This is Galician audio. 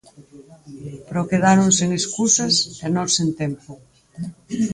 Pero quedaron sen escusas e nós sen tempo.